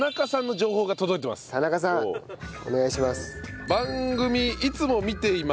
田中さん！お願いします。